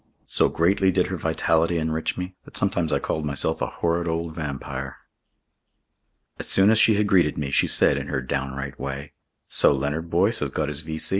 So greatly did her vitality enrich me, that sometimes I called myself a horrid old vampire. As soon as she had greeted me, she said in her downright way: "So Leonard Boyce has got his V.